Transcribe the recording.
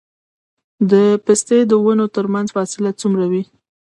د پستې د ونو ترمنځ فاصله څومره وي؟